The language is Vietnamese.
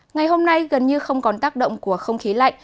ngày hôm nay gần như không còn tác động của không khí lạnh